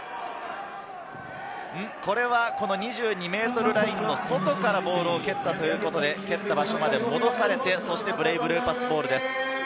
これは２２ｍラインの外からボールを蹴ったということで、蹴った場所まで戻されて、そしてブレイブルーパスボールです。